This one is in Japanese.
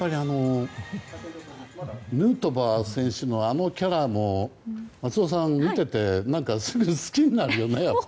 ヌートバー選手のあのキャラも松尾さん、見ていて何か好きになるよね。